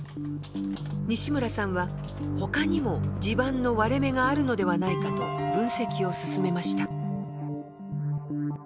西村さんはほかにも地盤の割れ目があるのではないかと分析を進めました。